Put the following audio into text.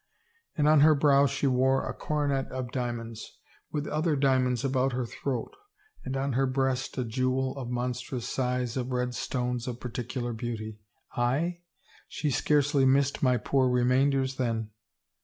" And on her brow she wore a coronet of diamonds, with other di^mionds about her throat and on her breast a jewel of monstrous size of red stones of particular beauty." "Aye? She scarcely missed my poor remainders then?